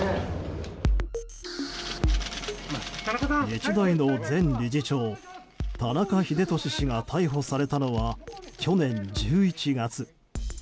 日大の前理事長田中英寿氏が逮捕されたのは去年１１月。